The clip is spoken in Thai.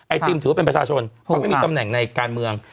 ติมถือว่าเป็นประชาชนเพราะไม่มีตำแหน่งในการเมือง